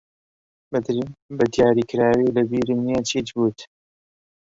بەدیاریکراوی لەبیرم نییە چیت گوت.